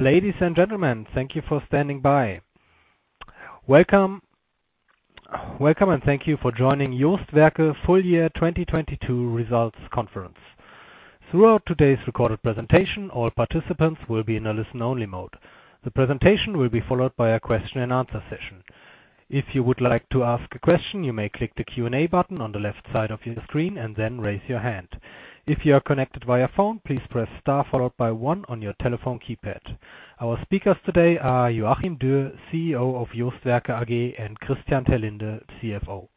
Ladies and gentlemen, thank you for standing by. Welcome, welcome and thank you for joining JOST Werke full year 2022 results conference. Throughout today's recorded presentation, all participants will be in a listen-only mode. The presentation will be followed by a question-and-answer session. If you would like to ask a question, you may click the Q&A button on the left side of your screen and then raise your hand. If you are connected via phone, please press star followed by one on your telephone keypad. Our speakers today are Joachim Dürr, CEO of JOST Werke AG, and Christian Terlinde, CFO.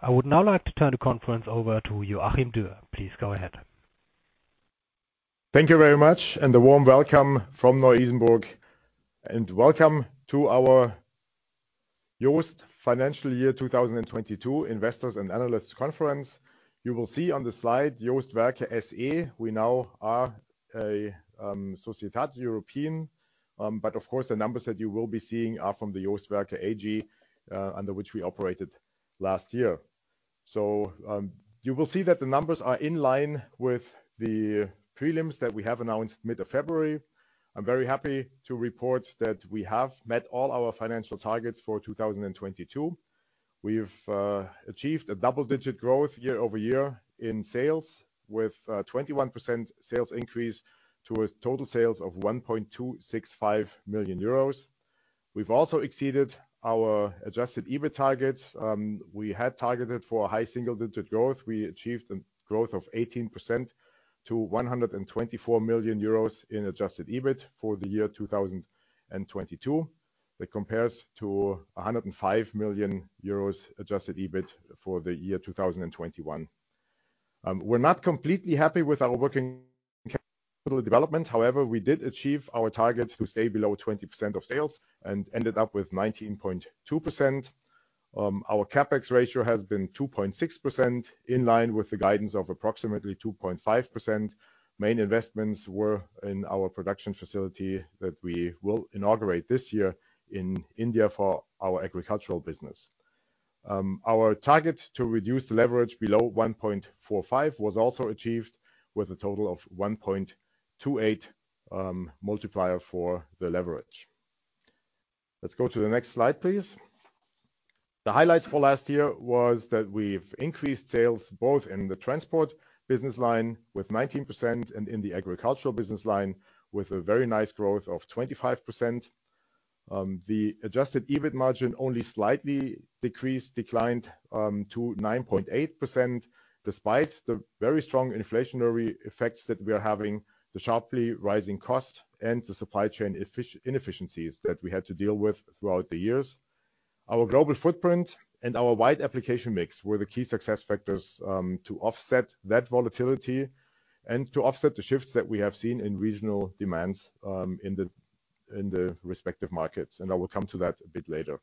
I would now like to turn the conference over to Joachim Dürr. Please go ahead. Thank you very much and a warm welcome from Neu-Isenburg, and welcome to our JOST Financial Year 2022 Investors and Analysts Conference. You will see on the slide JOST Werke SE. We now are a Société Européenne, but of course, the numbers that you will be seeing are from the JOST Werke AG, under which we operated last year. You will see that the numbers are in line with the prelims that we have announced mid-February. I'm very happy to report that we have met all our financial targets for 2022. We've achieved a double-digit growth year-over-year in sales with 21% sales increase towards total sales of 1.265 million euros. We've also exceeded our adjusted EBIT targets. We had targeted for a high single-digit growth. We achieved a growth of 18% to 124 million euros in adjusted EBIT for the year 2022. That compares to 105 million euros adjusted EBIT for the year 2021. We're not completely happy with our working capital development. However, we did achieve our target to stay below 20% of sales and ended up with 19.2%. Our CapEx ratio has been 2.6%, in line with the guidance of approximately 2.5%. Main investments were in our production facility that we will inaugurate this year in India for our agricultural business. Our target to reduce the leverage below 1.45 was also achieved with a total of 1.28 multiplier for the leverage. Let's go to the next slide, please. The highlights for last year was that we've increased sales both in the Transport business line with 19% and in the Agriculture business line with a very nice growth of 25%. The adjusted EBIT margin only slightly decreased, declined, to 9.8% despite the very strong inflationary effects that we are having, the sharply rising cost and the supply chain inefficiencies that we had to deal with throughout the years. Our global footprint and our wide application mix were the key success factors to offset that volatility and to offset the shifts that we have seen in regional demands in the respective markets. I will come to that a bit later.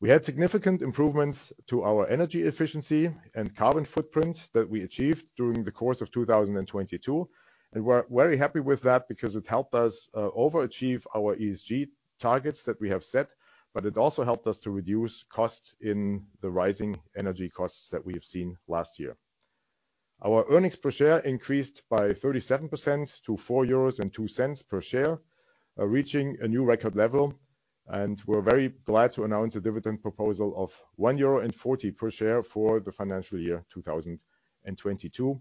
We had significant improvements to our energy efficiency and carbon footprint that we achieved during the course of 2022, and we're very happy with that because it helped us overachieve our ESG targets that we have set, but it also helped us to reduce costs in the rising energy costs that we have seen last year. Our earnings per share increased by 37% to 4.02 euros per share, reaching a new record level, and we're very glad to announce a dividend proposal of 1.40 euro per share for the financial year 2022.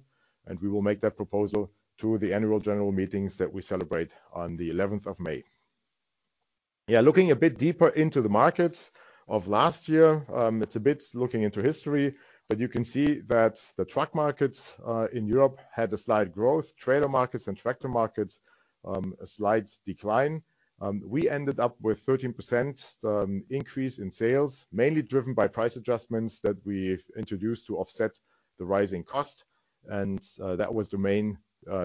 We will make that proposal to the annual general meetings that we celebrate on the 11th of May. Looking a bit deeper into the markets of last year, it's a bit looking into history, but you can see that the truck markets in Europe had a slight growth. Trailer markets and tractor markets, a slight decline. We ended up with 13% increase in sales, mainly driven by price adjustments that we've introduced to offset the rising cost, and that was the main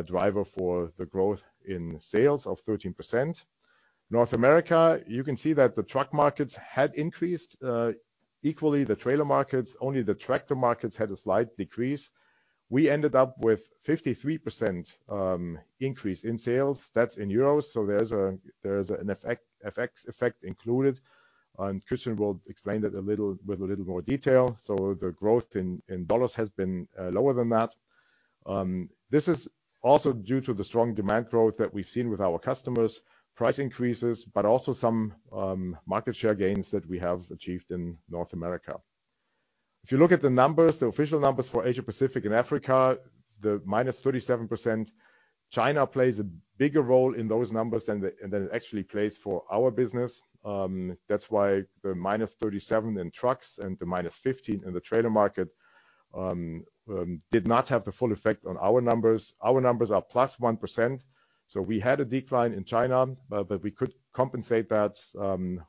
driver for the growth in sales of 13%. North America, you can see that the truck markets had increased equally. The trailer markets, only the tractor markets had a slight decrease. We ended up with 53% increase in sales. That's in euros, so there's an effect, FX effect included, and Christian will explain that with a little more detail. The growth in U.S. dollars has been lower than that. This is also due to the strong demand growth that we've seen with our customers, price increases, but also some market share gains that we have achieved in North America. If you look at the numbers, the official numbers for Asia-Pacific and Africa, the -37%, China plays a bigger role in those numbers than it actually plays for our business. That's why the -37 in trucks and the -15 in the trailer market did not have the full effect on our numbers. Our numbers are +1%. We had a decline in China, but we could compensate that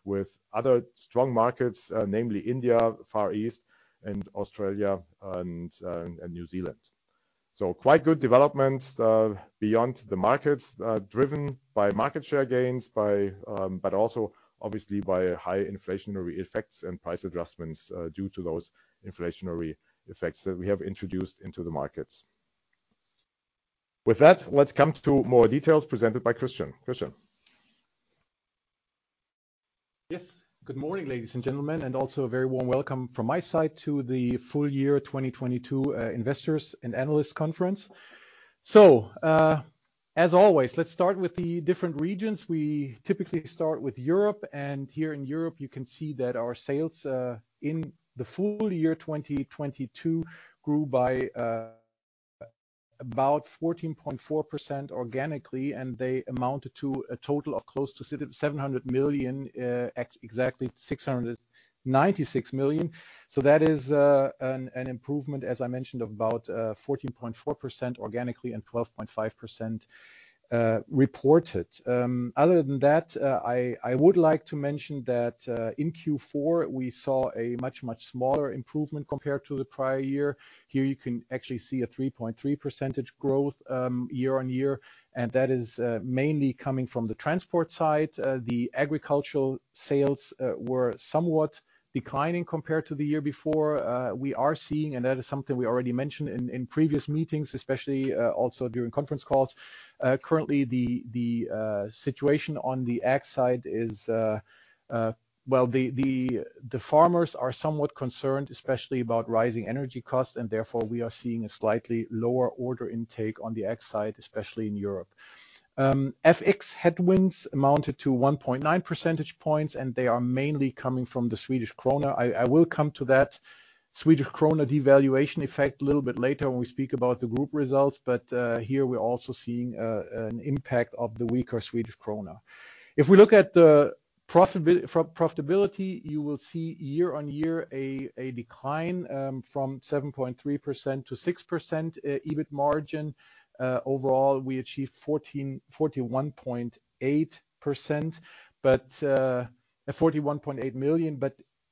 with other strong markets, namely India, Far East and Australia and New Zealand. Quite good developments beyond the markets, driven by market share gains by, but also obviously by high inflationary effects and price adjustments due to those inflationary effects that we have introduced into the markets. With that, let's come to more details presented by Christian. Christian? Good morning, ladies and gentlemen, also a very warm welcome from my side to the full year 2022 investors and analysts conference. As always, let's start with the different regions. We typically start with Europe, here in Europe you can see that our sales in the full year 2022 grew by about 14.4% organically, they amounted to a total of close to 700 million, exactly 696 million. That is an improvement, as I mentioned, of about 14.4% organically and 12.5% reported. Other than that, I would like to mention that in Q4, we saw a much smaller improvement compared to the prior year. Here you can actually see a 3.3% growth year-on-year. That is mainly coming from the transport side. The agricultural sales were somewhat declining compared to the year before. We are seeing, and that is something we already mentioned in previous meetings, especially also during conference calls. Currently the situation on the ag side is... Well, the farmers are somewhat concerned, especially about rising energy costs, and therefore, we are seeing a slightly lower order intake on the ag side, especially in Europe. FX headwinds amounted to 1.9 percentage points. They are mainly coming from the Swedish krona. I will come to that Swedish krona devaluation effect a little bit later when we speak about the group results. Here we're also seeing an impact of the weaker Swedish krona. If we look at the profitability, you will see year-over-year a decline from 7.3% to 6% EBIT margin. Overall, we achieved 41.8 million.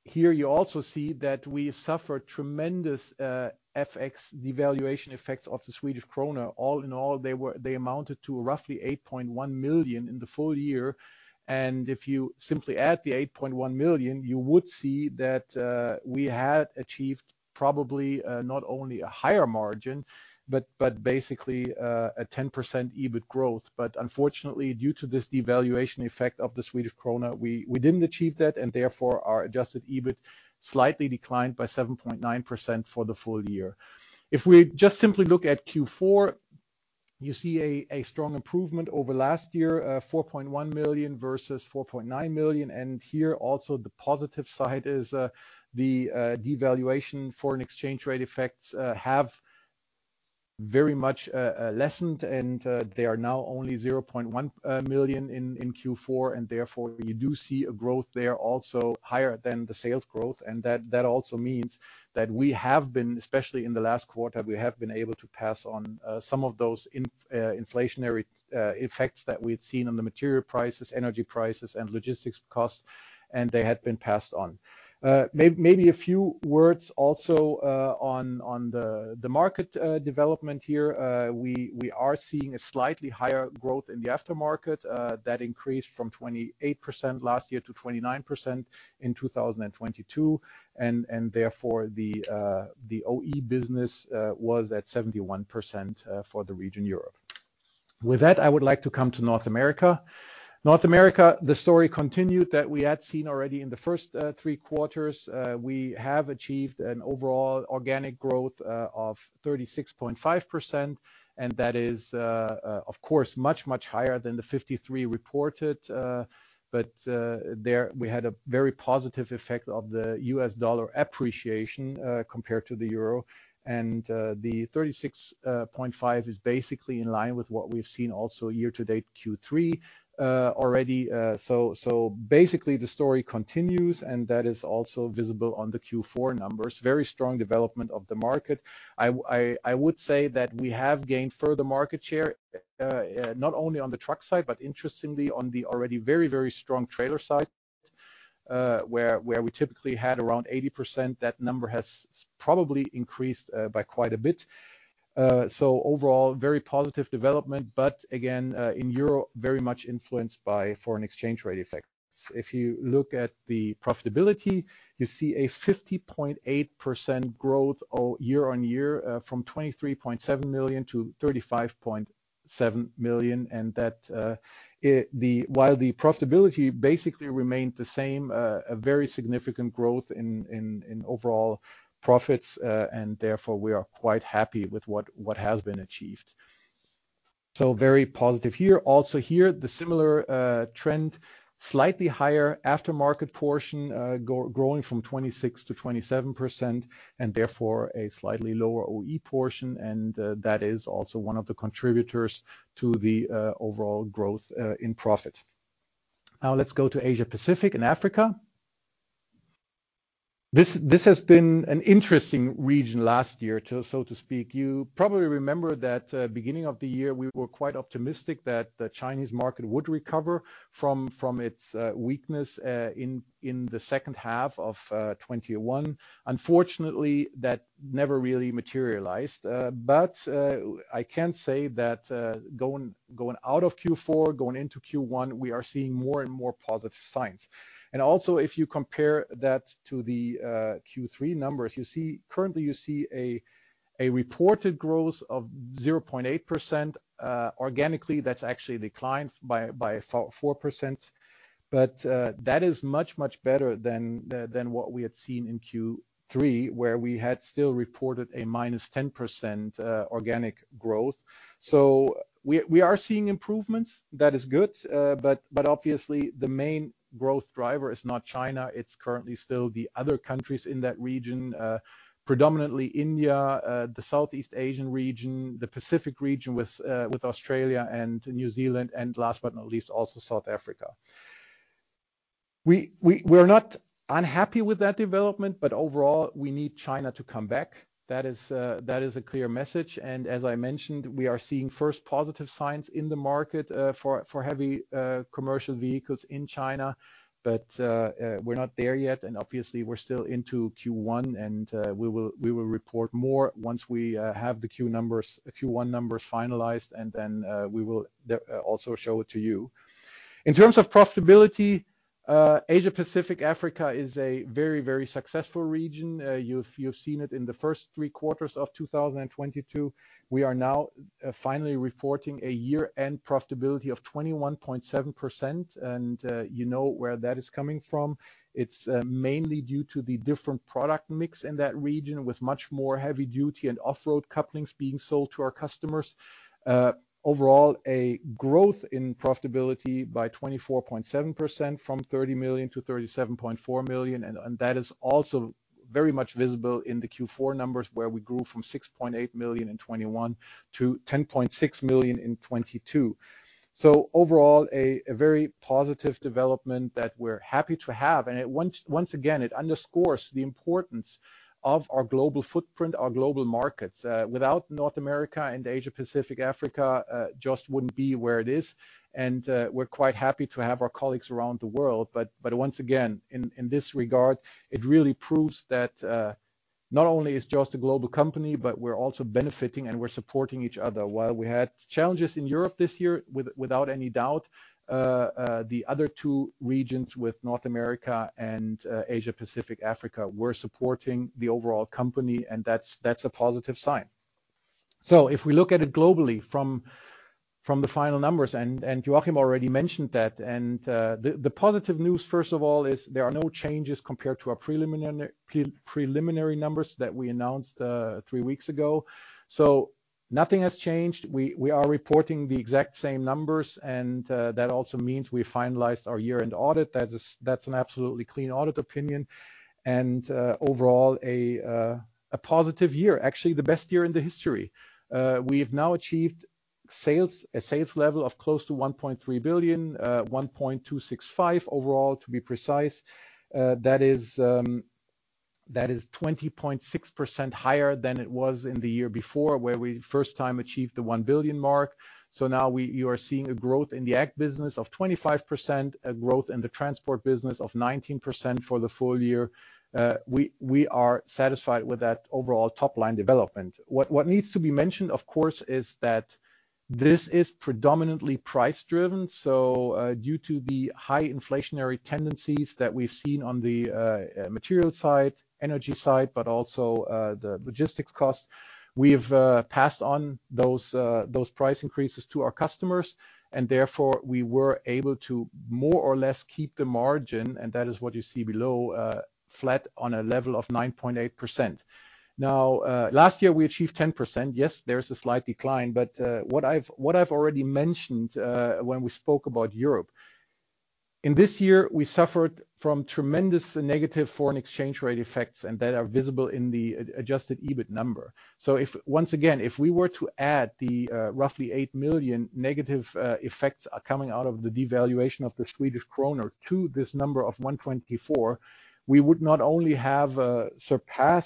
Here you also see that we suffered tremendous FX devaluation effects of the Swedish krona. All in all, they amounted to roughly 8.1 million in the full year. If you simply add the 8.1 million, you would see that we had achieved probably not only a higher margin, but basically a 10% EBIT growth. Unfortunately, due to this devaluation effect of the Swedish krona, we didn't achieve that, and therefore, our adjusted EBIT slightly declined by 7.9% for the full year. If we just simply look at Q4, you see a strong improvement over last year, 4.1 million versus 4.9 million. Here also the positive side is the devaluation foreign exchange rate effects have very much lessened, and therefore, they are now only 0.1 million in Q4, and therefore, you do see a growth there also higher than the sales growth. That also means that we have been, especially in the last quarter, we have been able to pass on some of those inflationary effects that we'd seen on the material prices, energy prices, and logistics costs, and they had been passed on. Maybe a few words also on the market development here. We are seeing a slightly higher growth in the aftermarket, that increased from 28% last year to 29% in 2022. Therefore the OE business was at 71% for the region Europe. With that, I would like to come to North America. North America, the story continued that we had seen already in the first three quarters. We have achieved an overall organic growth of 36.5%, and that is, of course, much, much higher than the 53 reported. There we had a very positive effect of the U.S. dollar appreciation compared to the euro. The 36.5% is basically in line with what we've seen also year to date, Q3 already. Basically the story continues and that is also visible on the Q4 numbers. Very strong development of the market. I would say that we have gained further market share not only on the truck side, but interestingly on the already very, very strong trailer side, where we typically had around 80%. That number has probably increased by quite a bit. Overall, very positive development. Again, in euro, very much influenced by foreign exchange rate effects. If you look at the profitability, you see a 50.8% growth year-on-year, from 23.7 million to 35.7 million. That, while the profitability basically remained the same, a very significant growth in overall profits, we are quite happy with what has been achieved. Very positive here. Also here, the similar trend, slightly higher aftermarket portion, growing from 26%-27%, a slightly lower OE portion. That is also one of the contributors to the overall growth in profit. Let's go to Asia-Pacific and Africa. This has been an interesting region last year to, so to speak. You probably remember that beginning of the year, we were quite optimistic that the Chinese market would recover from its weakness in the second half of 2021. Unfortunately, that never really materialized. But I can say that going out of Q4, going into Q1, we are seeing more and more positive signs. Also, if you compare that to the Q3 numbers, currently you see a reported growth of 0.8%. Organically, that's actually declined by 4%. That is much, much better than what we had seen in Q3, where we had still reported a -10% organic growth. We are seeing improvements. That is good. Obviously the main growth driver is not China. It's currently still the other countries in that region, predominantly India, the Southeast Asian region, the Pacific region with Australia and New Zealand, and last but not least, also South Africa. We're not unhappy with that development, but overall, we need China to come back. That is a clear message. As I mentioned, we are seeing first positive signs in the market for heavy commercial vehicles in China. We're not there yet, and obviously we're still into Q1, and we will report more once we have the Q1 numbers finalized, and then we will also show it to you. In terms of profitability, Asia-Pacific Africa is a very, very successful region. You've seen it in the first three quarters of 2022. We are now finally reporting a year-end profitability of 21.7%, you know where that is coming from. It's mainly due to the different product mix in that region, with much more heavy duty and off-road couplings being sold to our customers. Overall, a growth in profitability by 24.7% from 30 million to 37.4 million, that is also very much visible in the Q4 numbers, where we grew from 6.8 million in 2021 to 10.6 million in 2022. Overall, a very positive development that we're happy to have. Once again, it underscores the importance of our global footprint, our global markets. Without North America and Asia-Pacific Africa, JOST wouldn't be where it is. We're quite happy to have our colleagues around the world. Once again, in this regard, it really proves that not only is JOST a global company, but we're also benefiting and we're supporting each other. While we had challenges in Europe this year, without any doubt, the other two regions with North America and Asia-Pacific Africa were supporting the overall company, and that's a positive sign. If we look at it globally from the final numbers, and Joachim already mentioned that, the positive news, first of all, is there are no changes compared to our preliminary numbers that we announced three weeks ago. Nothing has changed. We are reporting the exact same numbers. That also means we finalized our year-end audit. That's an absolutely clean audit opinion. Overall a positive year, actually the best year in the history. We have now achieved sales, a sales level of close to 1.3 billion, 1.265 billion overall, to be precise. That is 20.6% higher than it was in the year before, where we first time achieved the 1 billion mark. Now you are seeing a growth in the Ag business of 25%, a growth in the Transport business of 19% for the full year. We are satisfied with that overall top-line development. What needs to be mentioned, of course, is that this is predominantly price-driven. Due to the high inflationary tendencies that we've seen on the material side, energy side, but also the logistics cost, we've passed on those those price increases to our customers, and therefore, we were able to more or less keep the margin, and that is what you see below, flat on a level of 9.8%. Now, last year, we achieved 10%. Yes, there is a slight decline, but what I've already mentioned, when we spoke about Europe, in this year, we suffered from tremendous negative foreign exchange rate effects, and that are visible in the adjusted EBIT number. If, once again, if we were to add the roughly 8 million negative effects coming out of the devaluation of the Swedish krona to this number of 124, we would not only have been back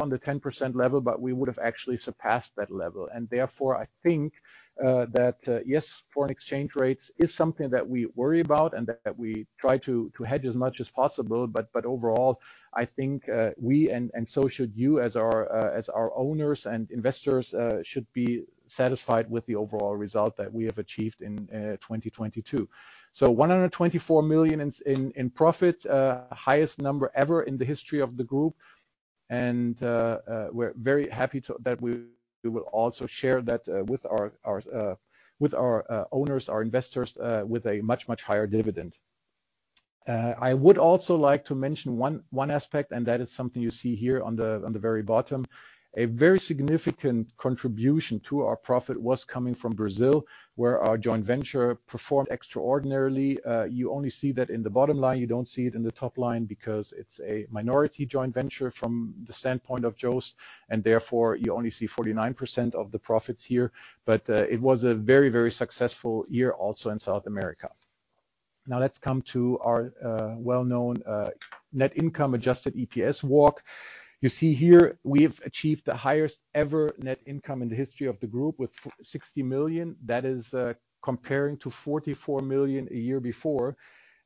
on the 10% level, but we would have actually surpassed that level. Therefore, I think that yes, foreign exchange rates is something that we worry about and that we try to hedge as much as possible, but overall, I think we and so should you as our owners and investors should be satisfied with the overall result that we have achieved in 2022. 124 million in profit, highest number ever in the history of the group, and we're very happy that we will also share that with our owners, our investors, with a much, much higher dividend. I would also like to mention one aspect, and that is something you see here on the very bottom. A very significant contribution to our profit was coming from Brazil, where our joint venture performed extraordinarily. You only see that in the bottom line. You don't see it in the top line because it's a minority joint venture from the standpoint of JOST, and therefore, you only see 49% of the profits here. It was a very, very successful year also in South America. Now let's come to our well-known net income adjusted EPS walk. You see here we have achieved the highest ever net income in the history of the group with 60 million. That is comparing to 44 million a year before.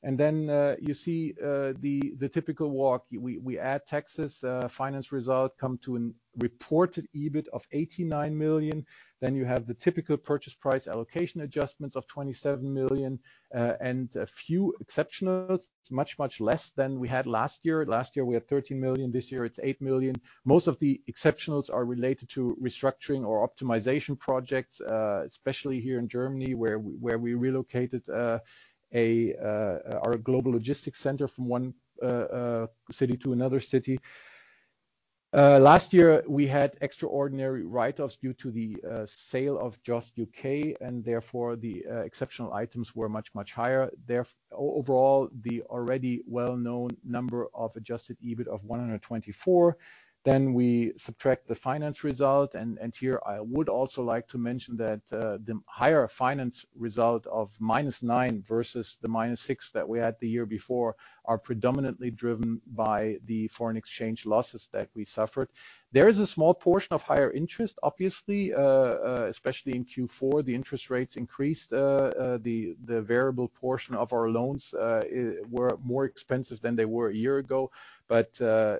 You see the typical walk. We add taxes, finance result, come to an reported EBIT of 89 million. Then you have the typical purchase price allocation adjustments of 27 million and a few exceptionals. Much, much less than we had last year. Last year, we had 13 million, this year it's 8 million. Most of the exceptionals are related to restructuring or optimization projects, especially here in Germany, where we relocated our global logistics center from one city to another city. Last year we had extraordinary write-offs due to the sale of JOST U.K., and therefore the exceptional items were much, much higher. Overall, the already well-known number of adjusted EBIT of 124 million. We subtract the finance result, and here I would also like to mention that the higher finance result of -9 million versus -6 million that we had the year before are predominantly driven by the foreign exchange losses that we suffered. There is a small portion of higher interest, obviously, especially in Q4, the interest rates increased. The variable portion of our loans were more expensive than they were a year ago. The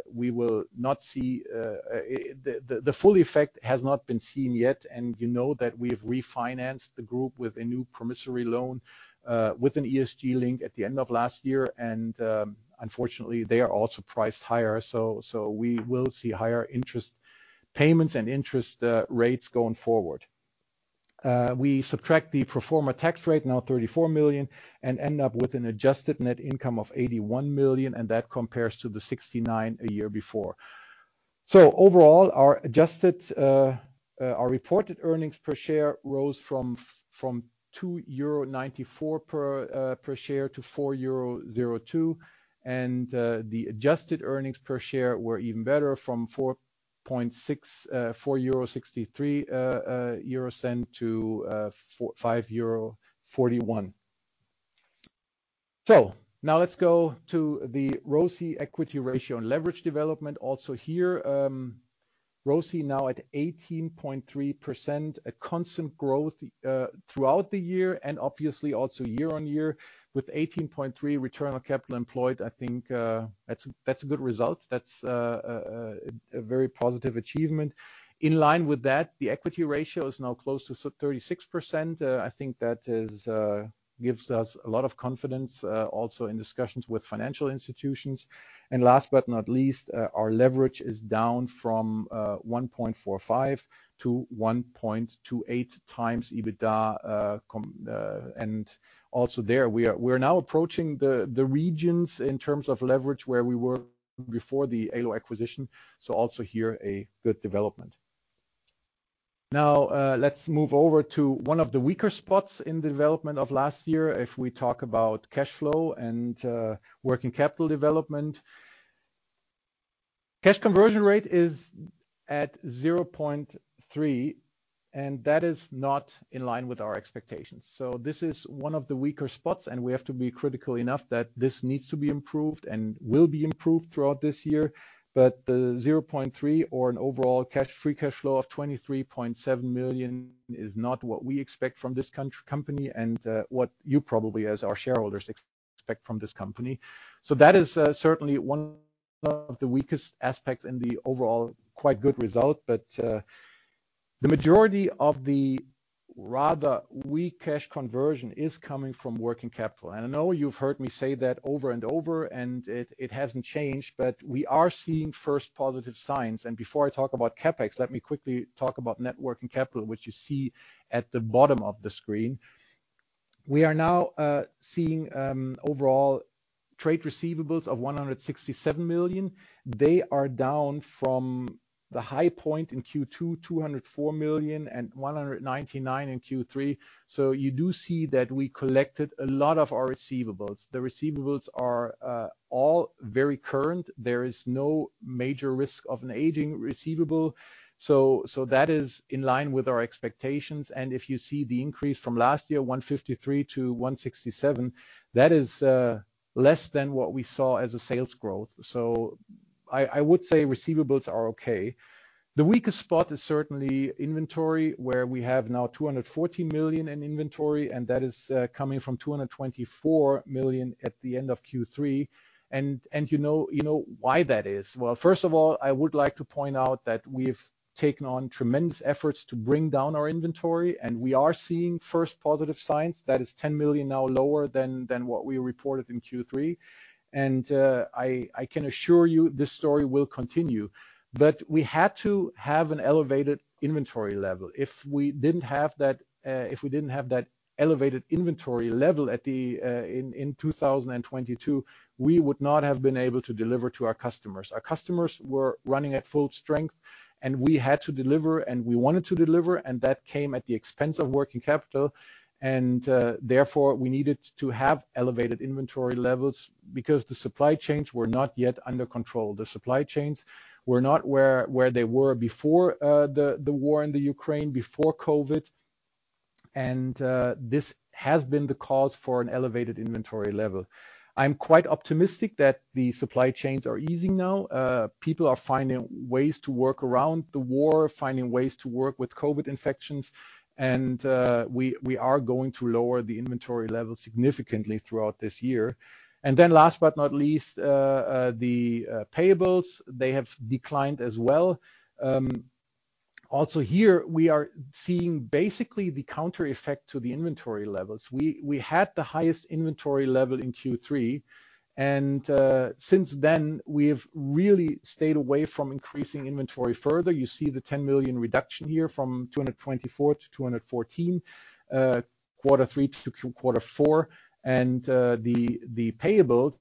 full effect has not been seen yet, and you know that we've refinanced the group with a new promissory loan with an ESG link at the end of last year. Unfortunately, they are also priced higher, so we will see higher interest payments and interest rates going forward. We subtract the pro forma tax rate, now 34 million, and end up with an adjusted net income of 81 million, and that compares to the 69 million a year before. Overall, our adjusted reported earnings per share rose from 2.94 euro per share to 4.02 euro. The adjusted earnings per share were even better from 4.63 euro to 5.41 euro. Now let's go to the ROCE equity ratio and leverage development. Also here, ROCE now at 18.3%, a constant growth throughout the year and obviously also year-on-year with 18.3% return on capital employed. I think that's a good result. That's a very positive achievement. In line with that, the equity ratio is now close to 36%. I think that gives us a lot of confidence also in discussions with financial institutions. Last but not least, our leverage is down from 1.45 to 1.28x EBITDA. Also there we are, we're now approaching the regions in terms of leverage where we were before the Ålö acquisition, also here a good development. Let's move over to one of the weaker spots in the development of last year if we talk about cash flow and working capital development. Cash conversion rate is at 0.3, that is not in line with our expectations. This is one of the weaker spots, we have to be critical enough that this needs to be improved and will be improved throughout this year. The 0.3 or an overall free cash flow of 23.7 million is not what we expect from this company and what you probably as our shareholders expect from this company. That is certainly one of the weakest aspects in the overall quite good result. The majority of the rather weak cash conversion is coming from working capital. I know you've heard me say that over and over, and it hasn't changed, but we are seeing first positive signs. Before I talk about CapEx, let me quickly talk about net working capital, which you see at the bottom of the screen. We are now seeing overall trade receivables of 167 million. They are down from the high point in Q2, 204 million, and 199 million in Q3. You do see that we collected a lot of our receivables. The receivables are all very current. There is no major risk of an aging receivable. That is in line with our expectations. If you see the increase from last year, 153 million to 167 million, that is less than what we saw as a sales growth. I would say receivables are okay. The weakest spot is certainly inventory, where we have now 214 million in inventory, and that is coming from 224 million at the end of Q3. You know why that is. Well, first of all, I would like to point out that we've taken on tremendous efforts to bring down our inventory, and we are seeing first positive signs. That is 10 million now lower than what we reported in Q3. I can assure you this story will continue. We had to have an elevated inventory level. If we didn't have that, if we didn't have that elevated inventory level in 2022, we would not have been able to deliver to our customers. Our customers were running at full strength, and we had to deliver, and we wanted to deliver, and that came at the expense of working capital. Therefore, we needed to have elevated inventory levels because the supply chains were not yet under control. The supply chains were not where they were before the war in Ukraine, before COVID. This has been the cause for an elevated inventory level. I'm quite optimistic that the supply chains are easing now. People are finding ways to work around the war, finding ways to work with COVID infections, and we are going to lower the inventory level significantly throughout this year. Last but not least, the payables, they have declined as well. Also here we are seeing basically the counter effect to the inventory levels. We had the highest inventory level in Q3, and since then, we have really stayed away from increasing inventory further. You see the 10 million reduction here from 224 million to 214 million, quarter three to quarter four. The payables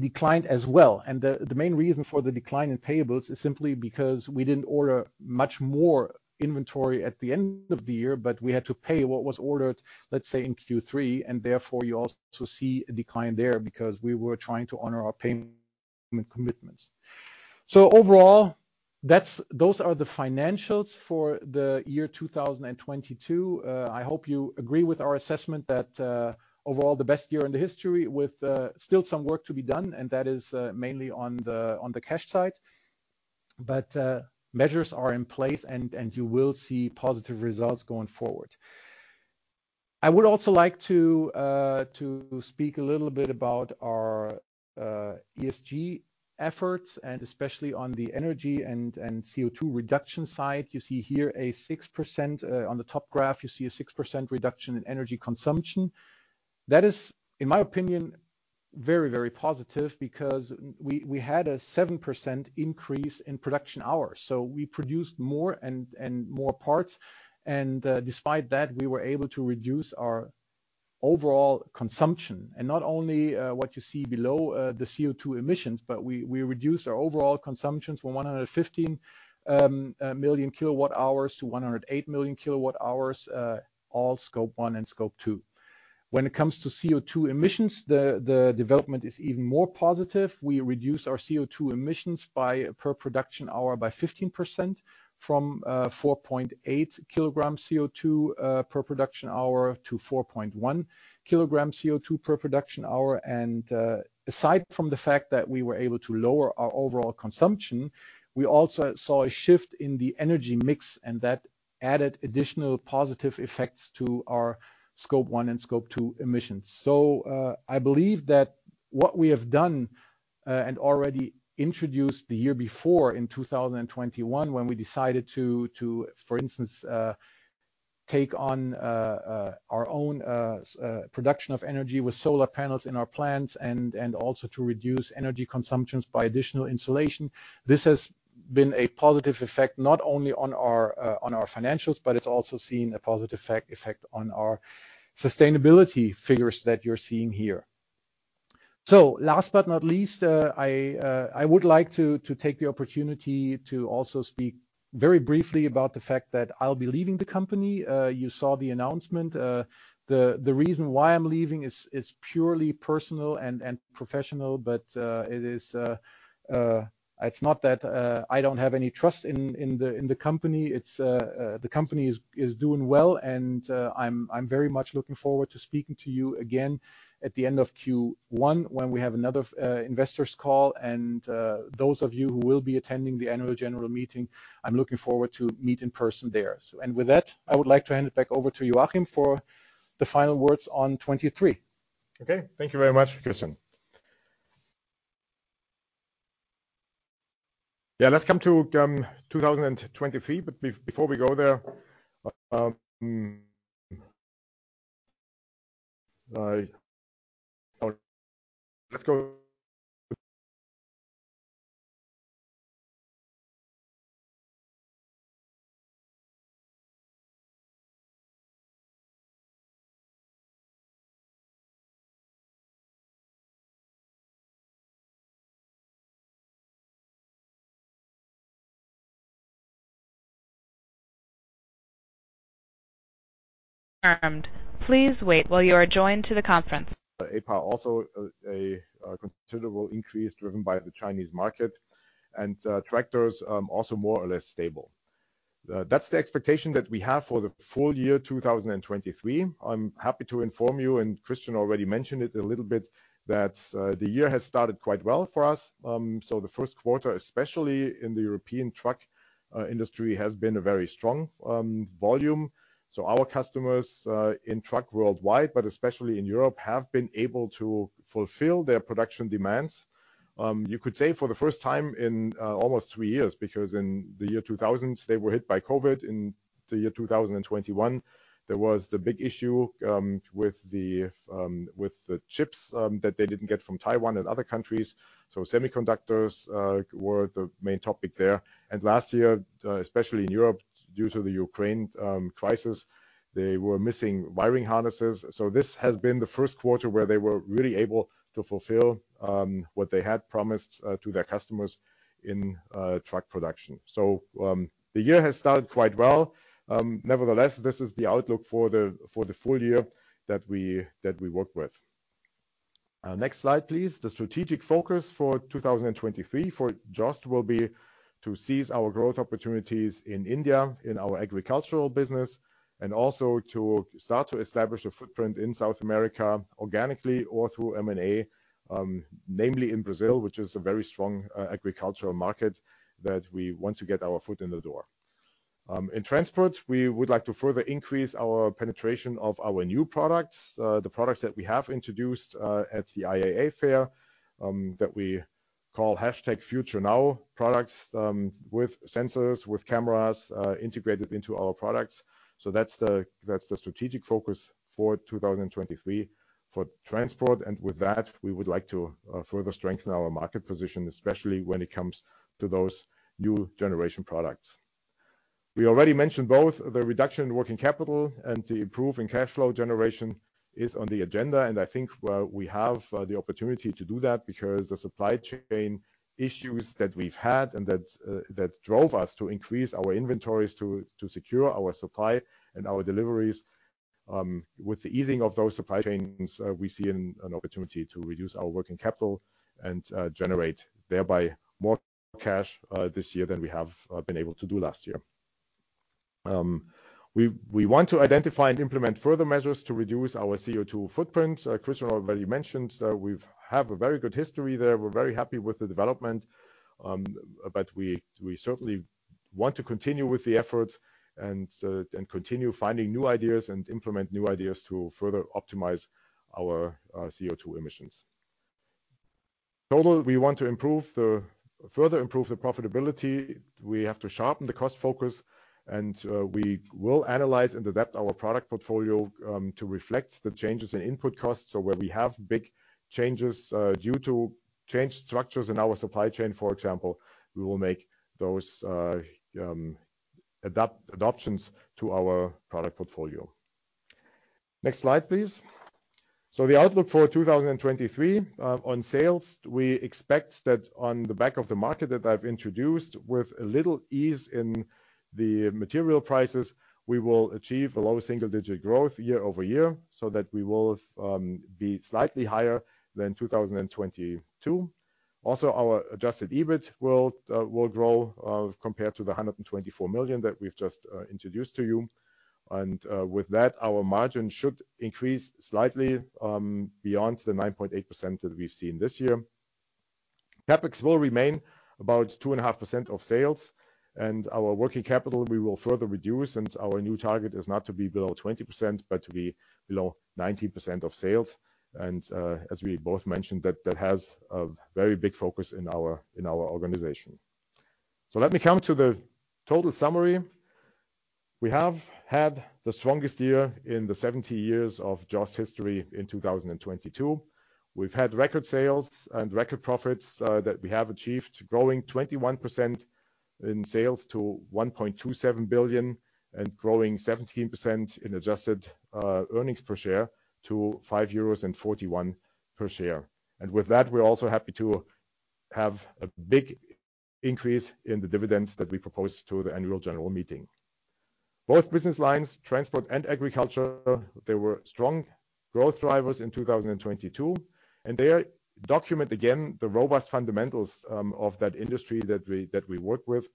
declined as well. The main reason for the decline in payables is simply because we didn't order much more inventory at the end of the year, but we had to pay what was ordered, let's say, in Q3. Therefore, you also see a decline there because we were trying to honor our payment commitments. Overall, those are the financials for the year 2022. I hope you agree with our assessment that overall, the best year in the history with still some work to be done, and that is mainly on the cash side. Measures are in place, and you will see positive results going forward. I would also like to speak a little bit about our ESG efforts, and especially on the energy and CO2 reduction side. You see here a 6%, on the top graph, you see a 6% reduction in energy consumption. That is, in my opinion, very positive because we had a 7% increase in production hours. We produced more and more parts, and despite that, we were able to reduce our overall consumption. Not only what you see below, the CO2 emissions, but we reduced our overall consumptions from 115 million kWh to 108 million kWh, all Scope 1 and Scope 2. When it comes to CO2 emissions, the development is even more positive. We reduced our CO2 emissions by, per production hour, by 15% from 4.8 kg CO2 per production hour to 4.1 kg CO2 per production hour. Aside from the fact that we were able to lower our overall consumption, we also saw a shift in the energy mix, and that added additional positive effects to our Scope 1 and Scope 2 emissions. I believe that what we have done and already introduced the year before in 2021 when we decided to, for instance, take on our own production of energy with solar panels in our plants and also to reduce energy consumptions by additional insulation. This has been a positive effect not only on our financials, but it's also seen a positive effect on our sustainability figures that you're seeing here. Last but not least, I would like to take the opportunity to also speak very briefly about the fact that I'll be leaving the company. You saw the announcement. The reason why I'm leaving is purely personal and professional, but it is. It's not that I don't have any trust in the company. The company is doing well, and I'm very much looking forward to speaking to you again at the end of Q1 when we have another investors call. Those of you who will be attending the annual general meeting, I'm looking forward to meet in person there. With that, I would like to hand it back over to Joachim for the final words on 2023. Okay. Thank you very much, Christian. Yeah, let's come to 2023. before we go there, Let's. Confirmed. Please wait while you are joined to the conference. APA also a considerable increase driven by the Chinese market. Tractors also more or less stable. That's the expectation that we have for the full year 2023. I'm happy to inform you, and Christian already mentioned it a little bit, that the year has started quite well for us. The first quarter, especially in the European truck industry, has been a very strong volume. Our customers in truck worldwide, but especially in Europe, have been able to fulfill their production demands, you could say for the first time in almost three years. Because in the year 2000, they were hit by COVID. In the year 2021, there was the big issue with the chips that they didn't get from Taiwan and other countries. Semiconductors were the main topic there. Last year, especially in Europe, due to the Ukraine crisis, they were missing wiring harnesses. This has been the first quarter where they were really able to fulfill what they had promised to their customers in truck production. The year has started quite well. Nevertheless, this is the outlook for the full year that we work with. Next slide, please. The strategic focus for 2023 for JOST will be to seize our growth opportunities in India, in our agricultural business, and also to start to establish a footprint in South America organically or through M&A, namely in Brazil, which is a very strong agricultural market that we want to get our foot in the door. In transport, we would like to further increase our penetration of our new products, the products that we have introduced at the IAA Fair, that we call hashtag Future Now products, with sensors, with cameras, integrated into our products. That's the strategic focus for 2023 for transport. With that, we would like to further strengthen our market position, especially when it comes to those new generation products. We already mentioned both the reduction in working capital and the improvement in cash flow generation is on the agenda. I think we have the opportunity to do that because the supply chain issues that we've had and that drove us to increase our inventories to secure our supply and our deliveries. With the easing of those supply chains, we see an opportunity to reduce our working capital and generate thereby more cash this year than we have been able to do last year. We want to identify and implement further measures to reduce our CO2 footprint. Christian already mentioned, have a very good history there. We're very happy with the development, we certainly want to continue with the efforts and continue finding new ideas and implement new ideas to further optimize our CO2 emissions. Total, we want to further improve the profitability. We have to sharpen the cost focus, we will analyze and adapt our product portfolio to reflect the changes in input costs. Where we have big changes due to change structures in our supply chain, for example, we will make those adapt-adoptions to our product portfolio. Next slide, please. The outlook for 2023. On sales, we expect that on the back of the market that I've introduced, with a little ease in the material prices, we will achieve a low single-digit growth year-over-year, so that we will be slightly higher than 2022. Also, our adjusted EBIT will grow compared to the 124 million that we've just introduced to you. With that, our margin should increase slightly beyond the 9.8% that we've seen this year. CapEx will remain about 2.5% of sales, our working capital we will further reduce, and our new target is not to be below 20%, but to be below 19% of sales. As we both mentioned, that has a very big focus in our organization. Let me come to the total summary. We have had the strongest year in the 70 years of JOST history in 2022. We've had record sales and record profits, that we have achieved, growing 21% in sales to 1.27 billion, and growing 17% in adjusted earnings per share to 5.41 euros per share. With that, we're also happy to have a big increase in the dividends that we propose to the annual general meeting. Both business lines, transport and agriculture, they were strong growth drivers in 2022. They document again the robust fundamentals of that industry that we work with.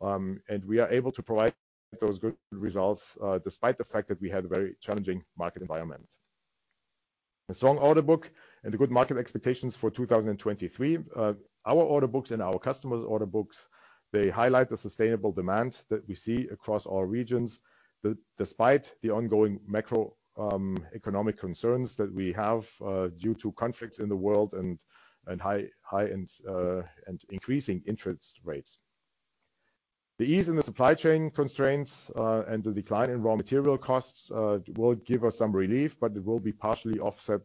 We are able to provide those good results despite the fact that we had a very challenging market environment. A strong order book and the good market expectations for 2023. Our order books and our customers' order books, they highlight the sustainable demand that we see across all regions, despite the ongoing macro economic concerns that we have due to conflicts in the world and high and increasing interest rates. The ease in the supply chain constraints and the decline in raw material costs will give us some relief, but it will be partially offset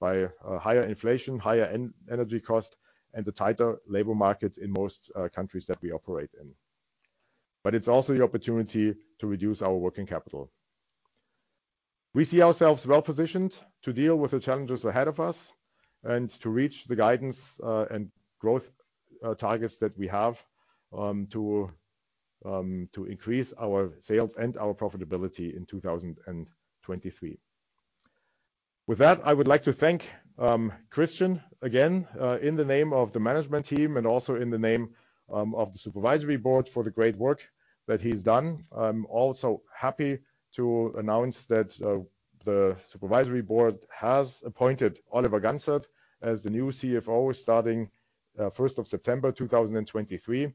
by higher inflation, higher energy cost, and the tighter labor markets in most countries that we operate in. It's also the opportunity to reduce our working capital. We see ourselves well-positioned to deal with the challenges ahead of us and to reach the guidance and growth targets that we have to increase our sales and our profitability in 2023. With that, I would like to thank Christian again in the name of the management team and also in the name of the supervisory board for the great work that he's done. I'm also happy to announce that the supervisory board has appointed Oliver Gantzert as the new CFO starting September 1, 2023.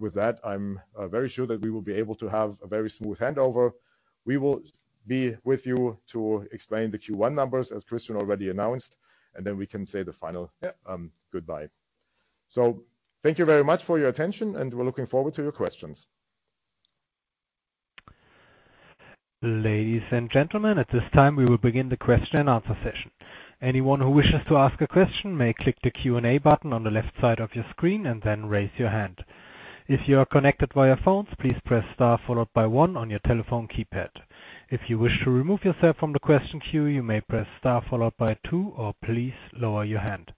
With that, I'm very sure that we will be able to have a very smooth handover. We will be with you to explain the Q1 numbers, as Christian already announced, and then we can say the final goodbye. Thank you very much for your attention, and we're looking forward to your questions. Ladies and gentlemen, at this time, we will begin the question-and-answer session. Anyone who wishes to ask a question may click the Q&A button on the left side of your screen and then raise your hand. If you are connected via phones, please press star followed by one on your telephone keypad. If you wish to remove yourself from the question queue, you may press star followed by two or please lower your hand.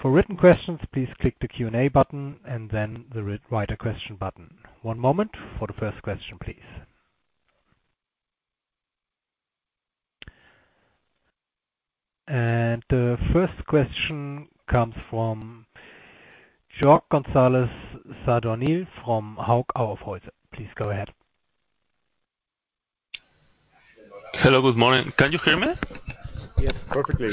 For written questions, please click the Q&A button and then the write a question button. One moment for the first question, please The first question comes from Jorge González Sadornil from Hauck Aufhäuser. Please go ahead. Hello, good morning. Can you hear me? Yes, perfectly.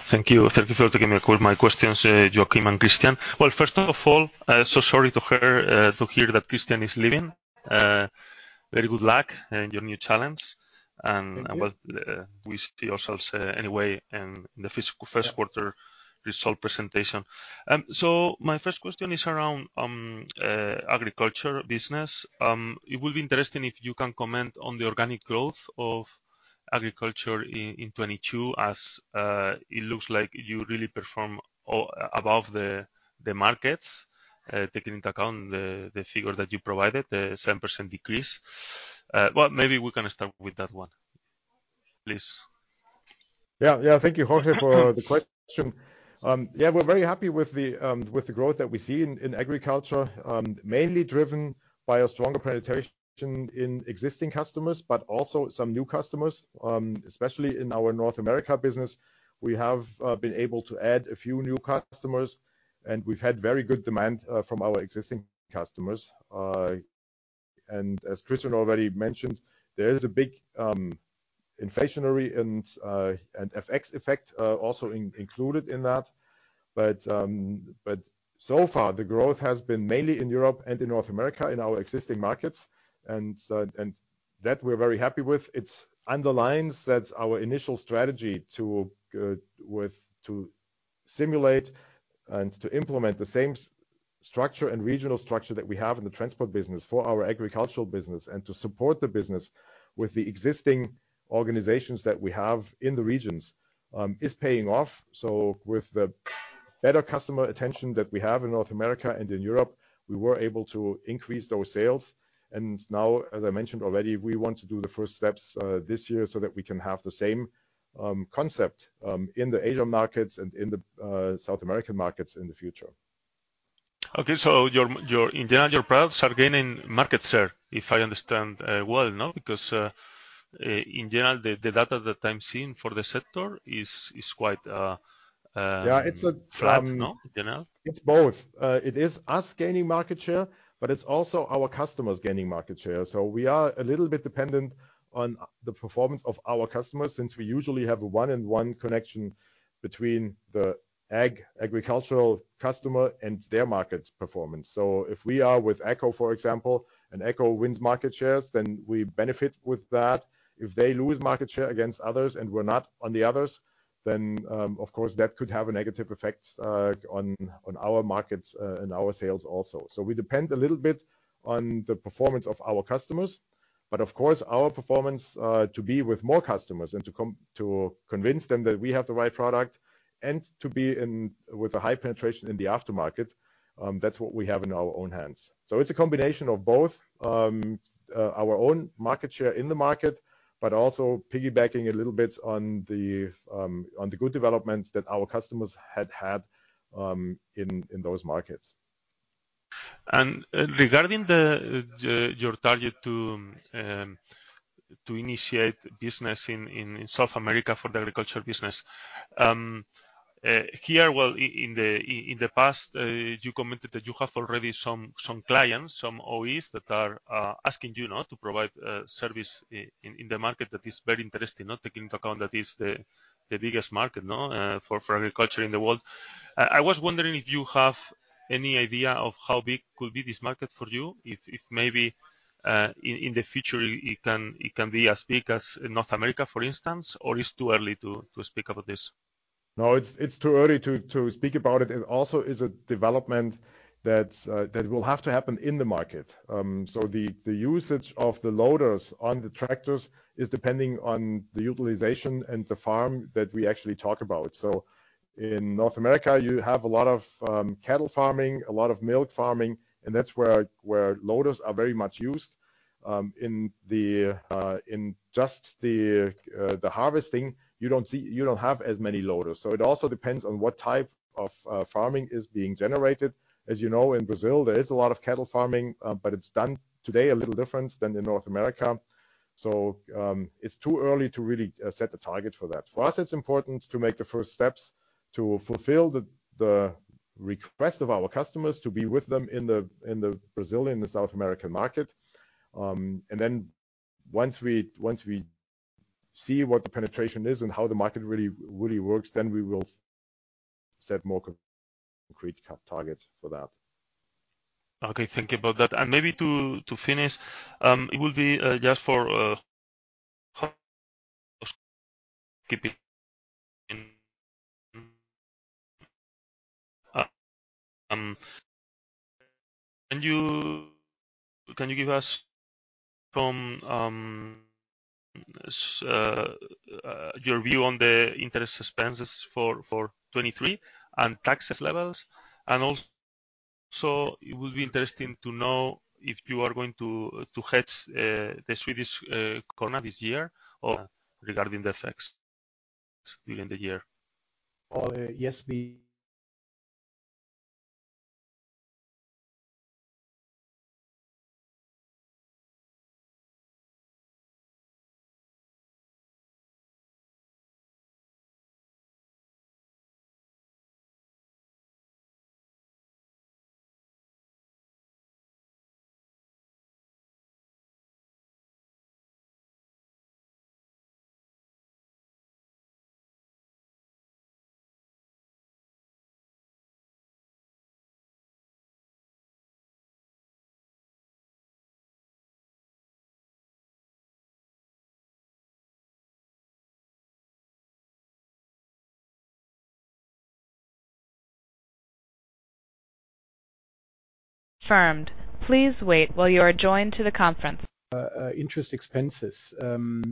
Thank you. Thank you for taking my call. My question, sir, Joachim and Christian. First of all, so sorry to hear that Christian is leaving. Very good luck in your new challenge. Thank you. Well, we see yourselves anyway in the physical first quarter result presentation. My first question is around Agriculture business. It will be interesting if you can comment on the organic growth of agriculture in 2022 as it looks like you really perform above the markets, taking into account the figure that you provided, the 7% decrease. Maybe we can start with that one, please? Yeah. Yeah. Thank you, Jorge, for the question. Yeah, we're very happy with the, with the growth that we see in Agriculture, mainly driven by a stronger penetration in existing customers, but also some new customers. Especially in our North America business, we have been able to add a few new customers, and we've had very good demand from our existing customers. As Christian already mentioned, there is a big, inflationary and FX effect, also included in that. So far the growth has been mainly in Europe and in North America, in our existing markets. That we're very happy with. It underlines that our initial strategy to simulate and to implement the same structure and regional structure that we have in the Transport business for our agricultural business and to support the business with the existing organizations that we have in the regions is paying off. With the better customer attention that we have in North America and in Europe, we were able to increase those sales. Now, as I mentioned already, we want to do the first steps this year so that we can have the same concept in the Asian markets and in the South American markets in the future. Your In general, your products are gaining market share, if I understand, well, no? Because, in general, the data that I'm seeing for the sector is quite. Yeah. It's. Flat, no? In general. It's both. It is us gaining market share, but it's also our customers gaining market share. We are a little bit dependent on the performance of our customers since we usually have a one-on-one connection between the agricultural customer and their market performance. If we are with AGCO, for example, and AGCO wins market shares, then we benefit with that. If they lose market share against others and we're not on the others, then, of course, that could have a negative effect on our markets and our sales also. We depend a little bit on the performance of our customers. Of course, our performance, to be with more customers and to convince them that we have the right product and to be with a high penetration in the aftermarket, that's what we have in our own hands. It's a combination of both, our own market share in the market, but also piggybacking a little bit on the good developments that our customers had in those markets. Regarding your target to initiate business in South America for the agriculture business, here, in the past, you commented that you have already some clients, some OEs that are asking you now to provide service in the market that is very interesting, taking into account that is the biggest market for agriculture in the world. I was wondering if you have any idea of how big could be this market for you, if maybe in the future it can be as big as North America, for instance, or it's too early to speak about this? No, it's too early to speak about it. It also is a development that will have to happen in the market. The usage of the loaders on the tractors is depending on the utilization and the farm that we actually talk about. In North America, you have a lot of cattle farming, a lot of milk farming, and that's where loaders are very much used. In the in just the harvesting, you don't have as many loaders. It also depends on what type of farming is being generated. As you know, in Brazil, there is a lot of cattle farming, but it's done today a little different than in North America. It's too early to really set the target for that. For us, it's important to make the first steps to fulfill the request of our customers to be with them in the Brazilian, the South American market. Once we see what the penetration is and how the market really works, then we will set more concrete targets for that. Okay. Thank you about that. Maybe to finish, it will be just for, Can you give us some your view on the interest expenses for 2023 and taxes levels? Also, it would be interesting to know if you are going to hedge the Swedish krona this year or regarding the effects during the year? Oh, yes. Confirmed. Please wait while you are joined to the conference Interest expenses.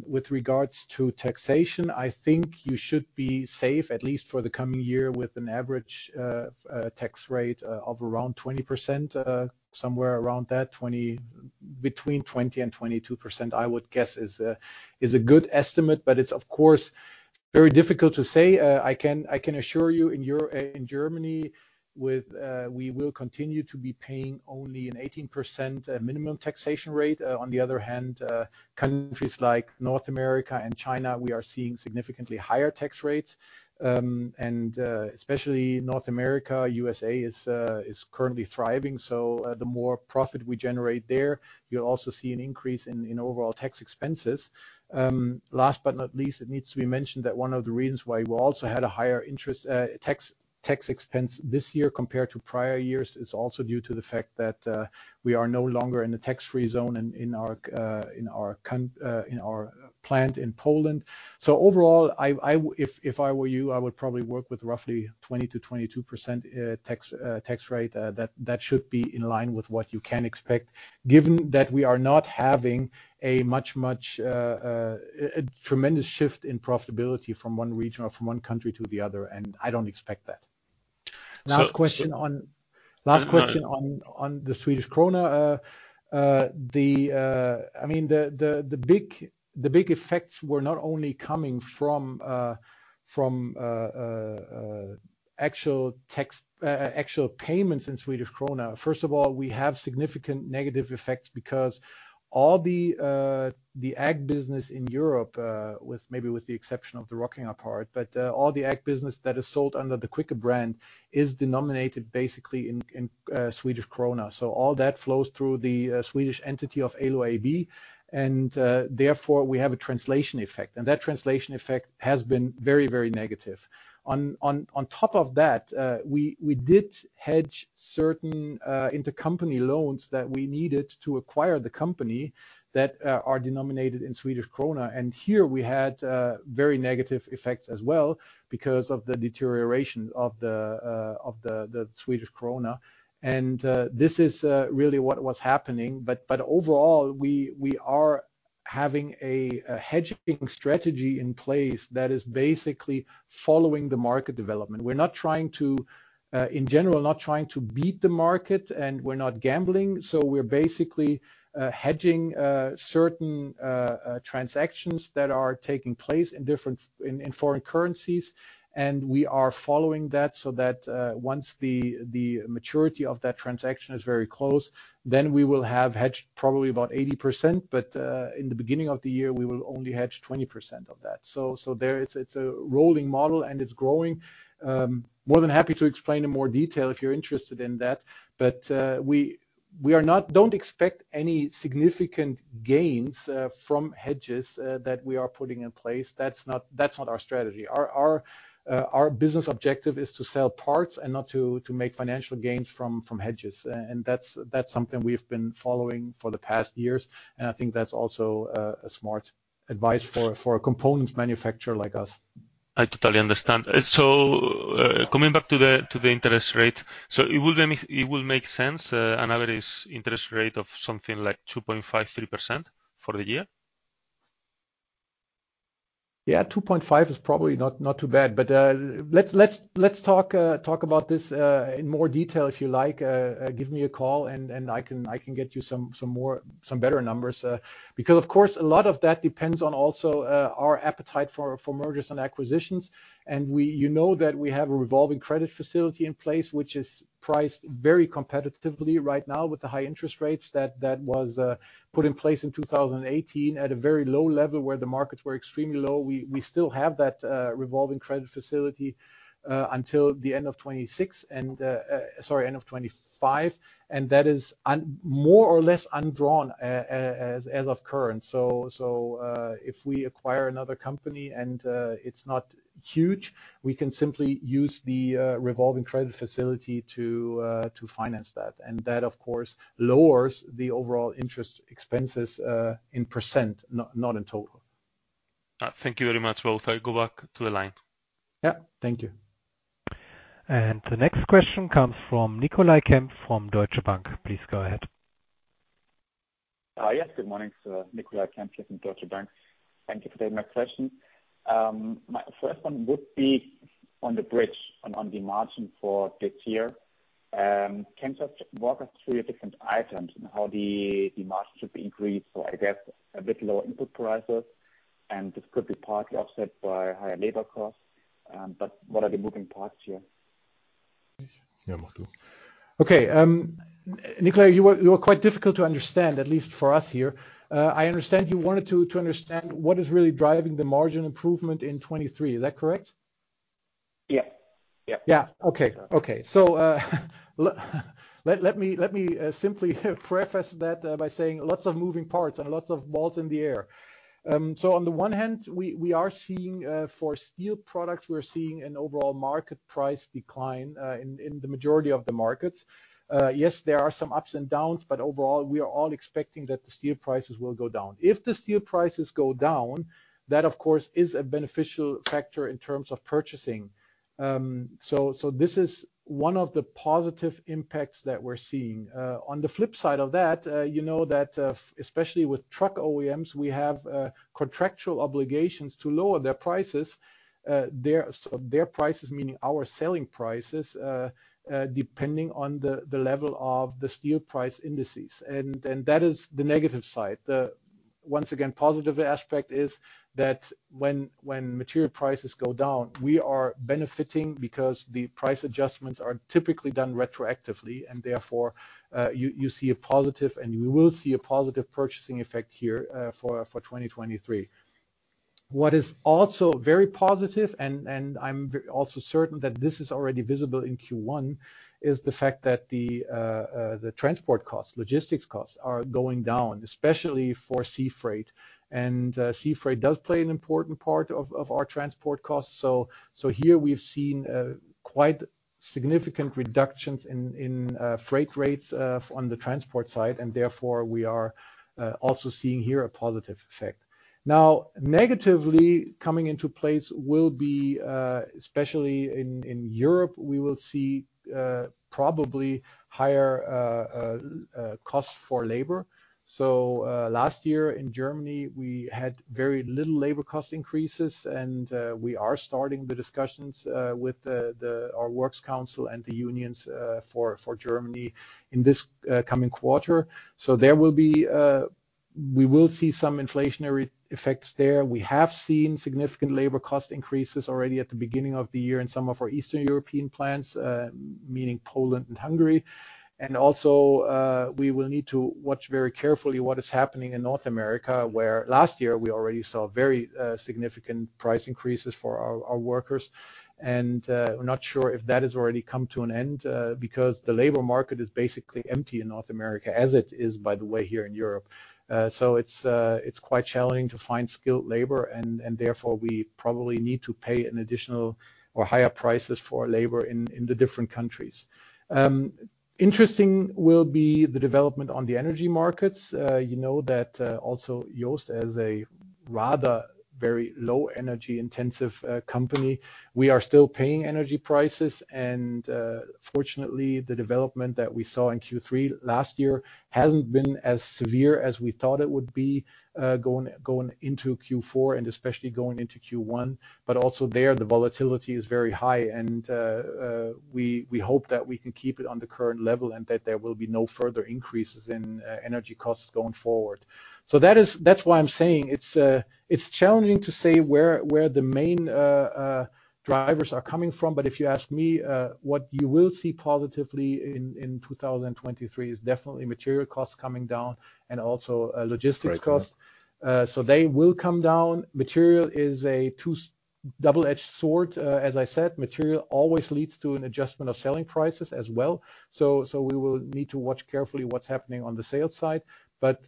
With regards to taxation, I think you should be safe, at least for the coming year, with an average tax rate of around 20%. Somewhere around that. Between 20% and 22%, I would guess is a good estimate. It's of course, very difficult to say. I can assure you in Germany with, we will continue to be paying only an 18% minimum taxation rate. On the other hand, countries like North America and China, we are seeing significantly higher tax rates. Especially North America, USA is currently thriving. The more profit we generate there, you'll also see an increase in overall tax expenses. Last but not least, it needs to be mentioned that one of the reasons why we also had a higher interest tax expense this year compared to prior years, is also due to the fact that we are no longer in a tax-free zone in our plant in Poland. Overall, if I were you, I would probably work with roughly 20%-22% tax rate. That should be in line with what you can expect, given that we are not having a much, much a tremendous shift in profitability from one region or from one country to the other, and I don't expect that. So, so- Last question. No, no. Last question on the Swedish krona. I mean, the big effects were not only coming from actual tax actual payments in Swedish krona. First of all, we have significant negative effects because all the ag business in Europe with maybe with the exception of the ROCKINGER part, but all the ag business that is sold under the Quicke brand is denominated basically in Swedish krona. All that flows through the Swedish entity of Ålö AB, and therefore, we have a translation effect. That translation effect has been very negative. On top of that, we did hedge certain intercompany loans that we needed to acquire the company that are denominated in Swedish krona. Here we had very negative effects as well because of the deterioration of the Swedish krona. This is really what was happening. Overall, we are having a hedging strategy in place that is basically following the market development. We're not trying to, in general, not trying to beat the market, and we're not gambling. We're basically hedging certain transactions that are taking place in different in foreign currencies. We are following that so that once the maturity of that transaction is very close, then we will have hedged probably about 80%. In the beginning of the year, we will only hedge 20% of that. There it's a rolling model, and it's growing. More than happy to explain in more detail if you're interested in that. Don't expect any significant gains from hedges that we are putting in place. That's not our strategy. Our business objective is to sell parts and not to make financial gains from hedges. That's something we've been following for the past years, and I think that's also a smart advice for a components manufacturer like us. I totally understand. Coming back to the interest rate. It will make sense, an average interest rate of something like 2.5%-3% for the year? Yeah, 2.5 is probably not too bad. Let's talk about this in more detail, if you like. Give me a call and I can get you some more, some better numbers. Because of course, a lot of that depends on also our appetite for mergers and acquisitions. You know that we have a revolving credit facility in place, which is priced very competitively right now with the high interest rates that was put in place in 2018 at a very low level where the markets were extremely low. We still have that revolving credit facility until the end of 2026 and, sorry, end of 2025, and that is more or less undrawn as of current. If we acquire another company and it's not huge, we can simply use the revolving credit facility to finance that. That of course lowers the overall interest expenses in percent, not in total. Thank you very much, all. I go back to the line. Yeah. Thank you. The next question comes from Nicolai Kempf from Deutsche Bank. Please go ahead. Yes. Good morning, sir. Nicolai Kempf here from Deutsche Bank. Thank you for taking my question. My first one would be on the bridge, on the margin for this year. Can you just walk us through your different items and how the margin should be increased? I guess a bit lower input prices. This could be partly offset by higher labor costs. What are the moving parts here? Yeah. Okay. Nicolai, you were quite difficult to understand, at least for us here. I understand you wanted to understand what is really driving the margin improvement in 2023. Is that correct? Yeah. Yeah. Yeah. Okay. Okay. Let me simply preface that by saying lots of moving parts and lots of balls in the air. On the one hand, we are seeing for steel products, we're seeing an overall market price decline in the majority of the markets. Yes, there are some ups and downs, overall, we are all expecting that the steel prices will go down. If the steel prices go down, that of course is a beneficial factor in terms of purchasing. This is one of the positive impacts that we're seeing. On the flip side of that, you know that, especially with truck OEMs, we have contractual obligations to lower their prices, their, so their prices meaning our selling prices, depending on the level of the steel price indices. That is the negative side. Once again, positive aspect is that when material prices go down, we are benefiting because the price adjustments are typically done retroactively, and therefore, you see a positive, and you will see a positive purchasing effect here for 2023. What is also very positive, and I'm also certain that this is already visible in Q1, is the fact that the transport costs, logistics costs are going down, especially for sea freight. Sea freight does play an important part of our transport costs. Here we've seen quite significant reductions in freight rates on the transport side, and therefore we are also seeing here a positive effect. Negatively coming into place will be especially in Europe, we will see probably higher costs for labor. Last year in Germany, we had very little labor cost increases, and we are starting the discussions with our works council and the unions for Germany in this coming quarter. There will be, we will see some inflationary effects there. We have seen significant labor cost increases already at the beginning of the year in some of our Eastern European plants, meaning Poland and Hungary. We will need to watch very carefully what is happening in North America, where last year we already saw very significant price increases for our workers. We're not sure if that has already come to an end because the labor market is basically empty in North America, as it is, by the way, here in Europe. It's quite challenging to find skilled labor and therefore we probably need to pay an additional or higher prices for labor in the different countries. Interesting will be the development on the energy markets. You know that, also JOST as a rather very low energy intensive company, we are still paying energy prices, and fortunately, the development that we saw in Q3 last year hasn't been as severe as we thought it would be, going into Q4 and especially going into Q1. Also there, the volatility is very high and we hope that we can keep it on the current level and that there will be no further increases in energy costs going forward. That's why I'm saying it's challenging to say where the main drivers are coming from. If you ask me, what you will see positively in 2023 is definitely material costs coming down and also logistics costs. They will come down. Material is a double-edged sword. As I said, material always leads to an adjustment of selling prices as well. We will need to watch carefully what's happening on the sales side.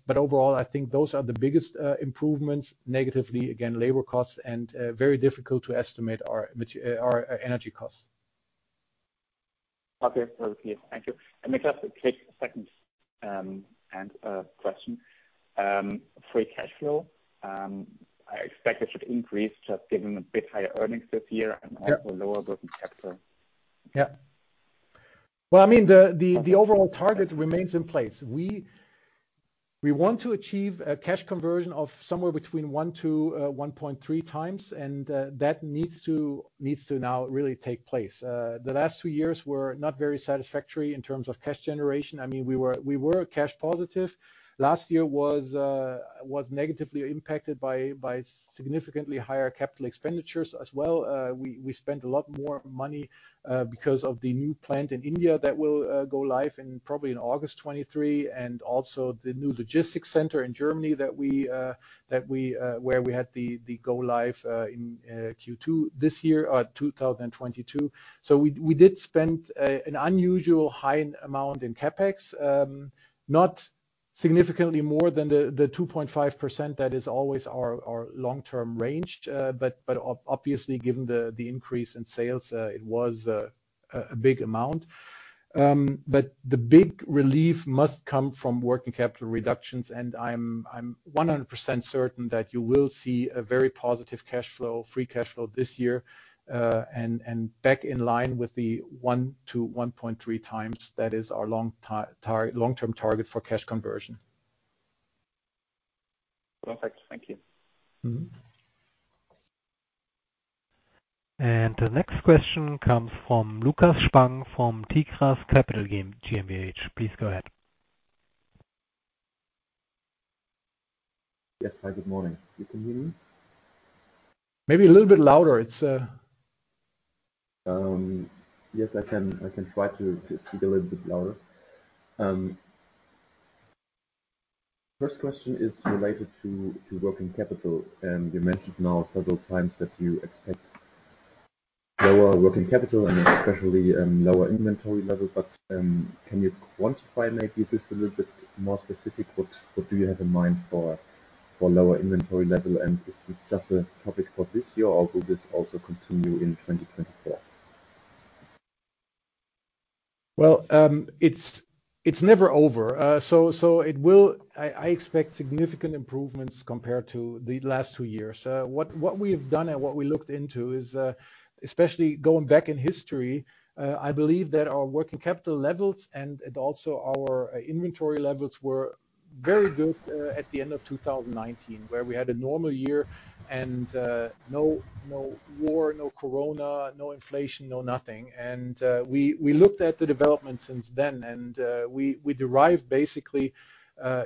Overall, I think those are the biggest improvements. Negatively, again, labor costs and very difficult to estimate our energy costs. Okay. Perfect. Thank you. May I just take a second and question? Free cash flow, I expect it should increase just given a bit higher earnings this year and also lower working capital. Well, I mean, the overall target remains in place. We want to achieve a cash conversion of somewhere between 1 to 1.3x, and that needs to now really take place. The last two years were not very satisfactory in terms of cash generation. I mean, we were cash positive. Last year was negatively impacted by significantly higher capital expenditures as well. We spent a lot more money because of the new plant in India that will go live in probably in August 2023, and also the new logistics center in Germany that we where we had the go live in Q2 2022. We did spend an unusual high amount in CapEx, not significantly more than the 2.5% that is always our long-term range. But obviously, given the increase in sales, it was a big amount. But the big relief must come from working capital reductions, and I'm 100% certain that you will see a very positive cash flow, free cash flow this year, and back in line with the 1 to 1.3x That is our long-term target for cash conversion. Perfect. Thank you. Mm-hmm. The next question comes from Lukas Spang from Tigris Capital GmbH. Please go ahead. Yes. Hi, good morning. You can hear me? Maybe a little bit louder. It's... Yes, I can try to speak a little bit louder. First question is related to working capital. You mentioned now several times that you expect lower working capital and especially, lower inventory levels. Can you quantify maybe this a little bit more specific? What do you have in mind for lower inventory level? Is this just a topic for this year or will this also continue in 2024? Well, it's never over. I expect significant improvements compared to the last two years. What we have done and what we looked into is especially going back in history, I believe that our working capital levels and also our inventory levels were very good at the end of 2019, where we had a normal year and no war, no corona, no inflation, no nothing. We looked at the development since then, we derived basically,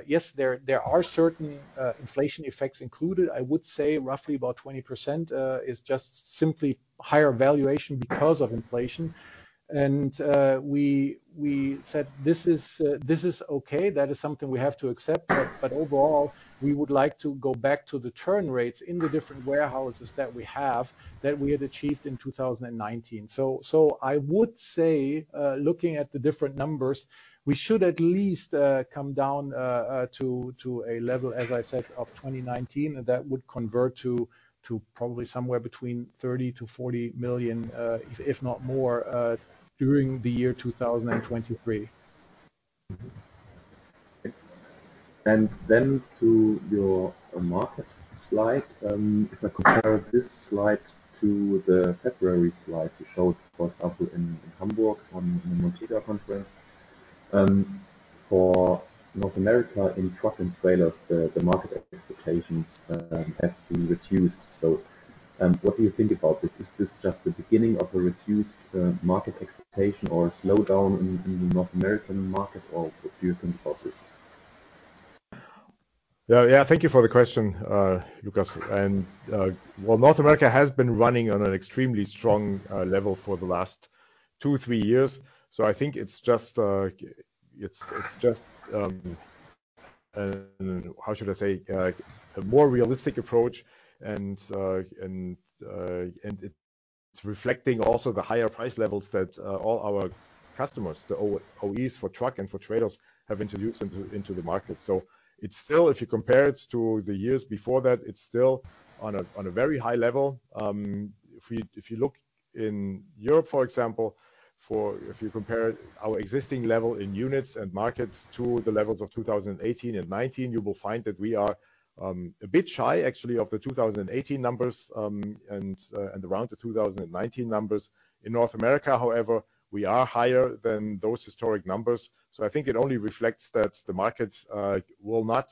yes, there are certain inflation effects included. I would say roughly about 20%, is just simply higher valuation because of inflation. We said, this is okay. That is something we have to accept. Overall, we would like to go back to the turn rates in the different warehouses that we had achieved in 2019. I would say, looking at the different numbers, we should at least come down to a level, as I said, of 2019, and that would convert to probably somewhere between 30 million-40 million, if not more, during the year 2023. To your market slide. If I compare this slide to the February slide you showed, for example, in Hamburg on the Montega conference, for North America in truck and trailers, the market expectations have been reduced. What do you think about this? Is this just the beginning of a reduced market expectation or a slowdown in the North American market, or what do you think about this? Yeah. Thank you for the question, Lukas. Well, North America has been running on an extremely strong level for the last two, three years. I think it's just a more realistic approach and it's reflecting also the higher price levels that all our customers, the OEMs for truck and for trailers, have introduced into the market. It's still, if you compare it to the years before that, it's still on a very high level. If you look in Europe, for example, if you compare our existing level in units and markets to the levels of 2018 and 2019, you will find that we are a bit shy actually of the 2018 numbers and around the 2019 numbers. In North America, however, we are higher than those historic numbers. I think it only reflects that the market will not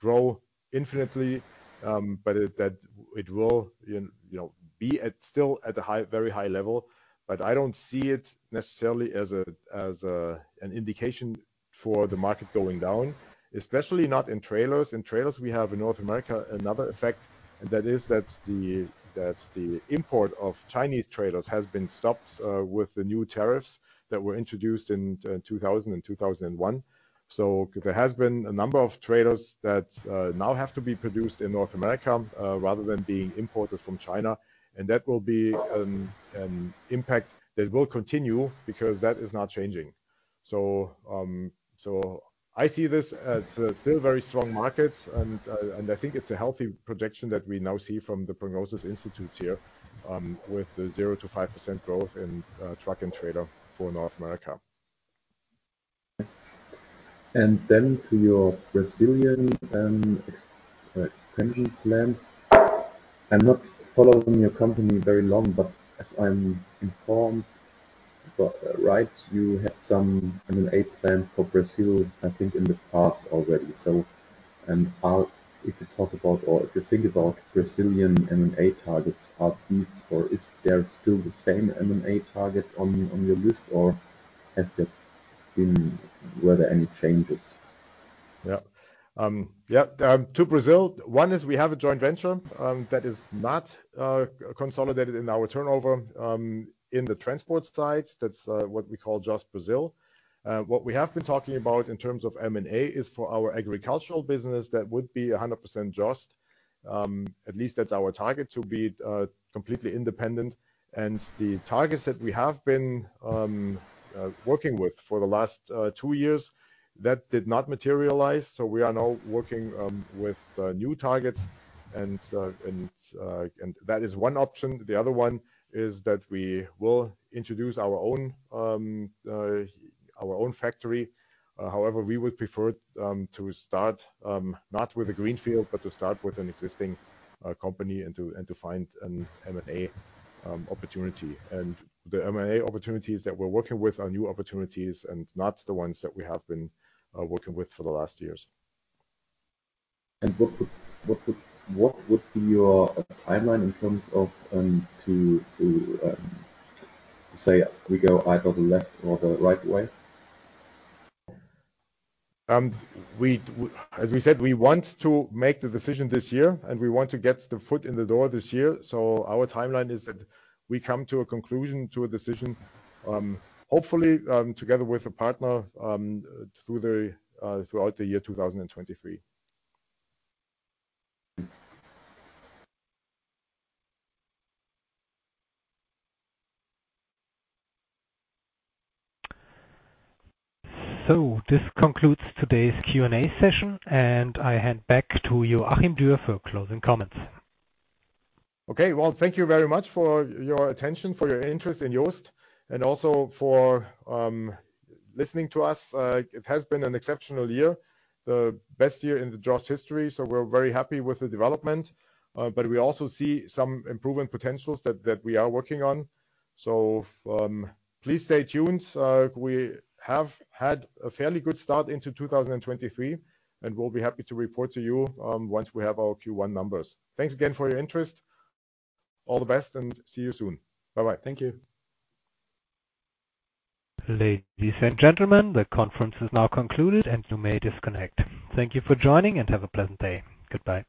grow infinitely, but that it will, you know, be at, still at a high, very high level. I don't see it necessarily as an indication for the market going down, especially not in trailers. In trailers, we have in North America another effect, that is that the import of Chinese trailers has been stopped with the new tariffs that were introduced in 2000 and 2001. There has been a number of trailers that now have to be produced in North America rather than being imported from China. That will be an impact that will continue because that is not changing. I see this as a still very strong market and I think it's a healthy projection that we now see from the prognosis institutes here with the 0% to 5% growth in truck and trailer for North America. To your Brazilian expansion plans. I'm not following your company very long, but as I'm informed, right, you had some M&A plans for Brazil, I think, in the past already. If you talk about or if you think about Brazilian M&A targets, are these or is there still the same M&A target on your list or Were there any changes? To Brazil, one is we have a joint venture that is not consolidated in our turnover in the transport side. That's what we call JOST Brazil. What we have been talking about in terms of M&A is for our agricultural business, that would be 100% JOST. At least that's our target to be completely independent. The targets that we have been working with for the last two years, that did not materialize, we are now working with new targets and that is one option. The other one is that we will introduce our own factory. However, we would prefer to start not with a greenfield, but to start with an existing company and to find an M&A opportunity. The M&A opportunities that we're working with are new opportunities and not the ones that we have been working with for the last years. What would be your timeline in terms of to say we go either the left or the right way? As we said, we want to make the decision this year, and we want to get the foot in the door this year. Our timeline is that we come to a conclusion, to a decision, hopefully, together with a partner, throughout the year 2023. This concludes today's Q&A session, and I hand back to you, Joachim Dürr, for closing comments. Well, thank you very much for your attention, for your interest in JOST, and also for listening to us. It has been an exceptional year, the best year in the JOST history. We're very happy with the development. We also see some improvement potentials that we are working on. Please stay tuned. We have had a fairly good start into 2023, and we'll be happy to report to you once we have our Q1 numbers. Thanks again for your interest. All the best and see you soon. Bye-bye. Thank you. Ladies and gentlemen, the conference is now concluded and you may disconnect. Thank you for joining and have a pleasant day. Goodbye.